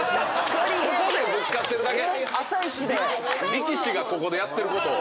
力士がここでやってることを。